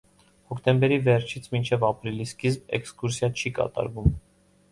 Հոկտեմբերի վերջից մինչև ապրիլի սկիզբ էքսկուրսիա չի կատարվում։